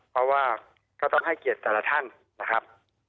เพราะว่าก็ต้องให้เกียรติแต่ละท่านนะครับ